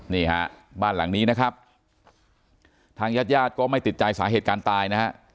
นี่ฮะบ้านหลังนี้นะครับทางญาติญาติก็ไม่ติดใจสาเหตุการณ์ตายนะฮะ